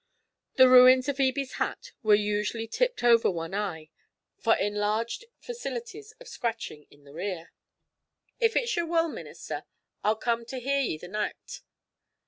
The ruins of Ebie's hat were usually tipped over one eye for enlarged facilities of scratching in the rear. 'If it's yer wull, minister, I'll come to hear ye the nicht.